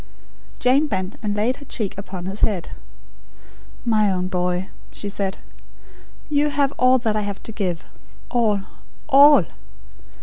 Jane bent, and laid her cheek upon his head. "My own boy," she said, "you have all I have to give all, ALL.